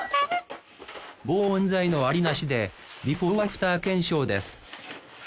防音材のありなしでビフォーアフター検証です